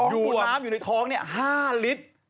อยู่น้ำอยู่ในท้อง๕ลิตร